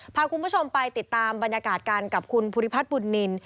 พาคุณผู้ชมไปติดตามบรรยากาศกันกับคุณภูริพัฒน์บุญนิน